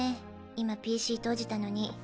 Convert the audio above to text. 今ＰＣ閉じたのに。